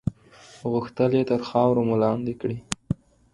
غوښتل یې تر خاورو مو لاندې کړي.